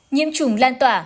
nhiễm chủng lan tỏa